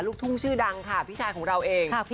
ลูกทุ่งชื่อดังค่ะพี่ชายของเราเอง